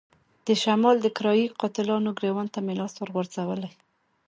د شمال د کرايه ای قاتلانو ګرېوان ته مې لاس ورغځولی.